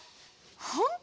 ほんと？